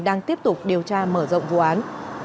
đang tiếp tục điều tra mở rộng vụ án